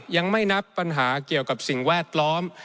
ยังไม่นับปัญหาเกี่ยวกับสิ่งแวดล้อม